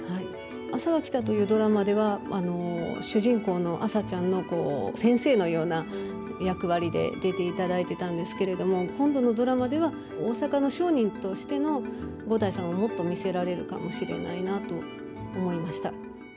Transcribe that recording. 「あさが来た」というドラマでは主人公のあさちゃんの先生のような役割で出ていただいてたんですけれども今度のドラマでは大阪の商人としての五代さんをもっと見せられるかもしれないなと思いました。